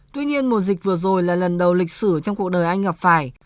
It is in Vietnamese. tuy nhiên mùa dịch vừa rồi là lần đầu lịch sử trong cuộc đời anh gặp phải